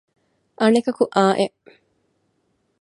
އަނެކަކު އާނއެއް